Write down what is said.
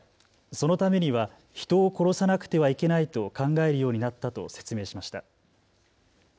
そのためには人を殺さなくてはいけないと考えるようになったと説明しました。